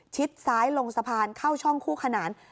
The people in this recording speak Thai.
ซ้ายลงสะพานเข้าช่องคู่ขนาน